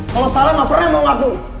kalo salah gak pernah mau ngaku